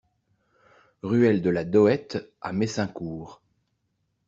Ruelle de la Dohette à Messincourt